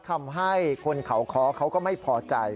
ทำให้คนเขาค้อเขาก็ไม่พอใจ